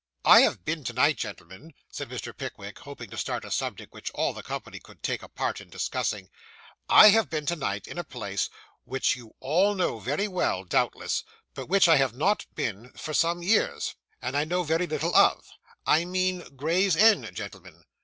'I have been to night, gentlemen,' said Mr. Pickwick, hoping to start a subject which all the company could take a part in discussing, 'I have been to night, in a place which you all know very well, doubtless, but which I have not been in for some years, and know very little of; I mean Gray's Inn, gentlemen.